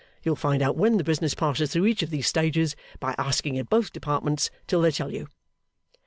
You'll find out when the business passes through each of these stages by asking at both Departments till they tell you.